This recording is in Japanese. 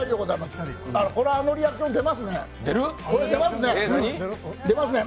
これ、あのリアクション出ますね、出ますね。